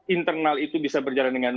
internal itu bisa berjalan dengan